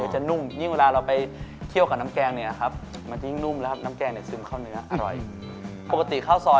เหนือจะนุ่มยิ่งเวลานำแกงนิ้ว